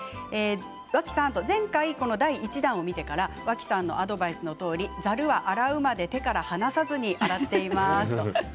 脇さん、前回第１弾を見てから脇さんのアドバイスどおりざるは、洗うまで手から離さずに使っています。